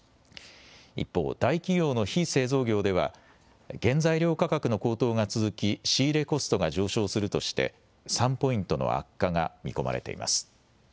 一方、大企業の非製造業では、原材料価格の高騰が続き、仕入れコストが上昇するとして、３ポイントの悪化が見込まれています。